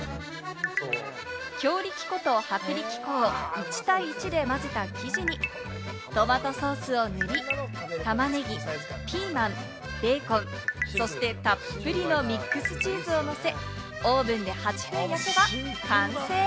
強力粉と薄力粉を１対１で混ぜた生地にトマトソースを塗り、玉ねぎ、ピーマン、ベーコン、そしてたっぷりのミックスチーズをのせ、オーブンで８分焼けば完成！